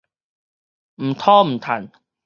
毋討毋趁